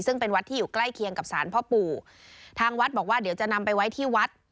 ซึ่งเป็นวัดที่อยู่ใกล้เคียงกับสารพ่อปู่ทางวัดบอกว่าเดี๋ยวจะนำไปไว้ที่วัด